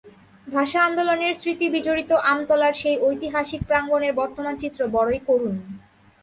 ভাষা আন্দোলনের স্মৃতিবিজড়িত আমতলার সেই ঐতিহাসিক প্রাঙ্গণের বর্তমান চিত্র বড়ই করুণ।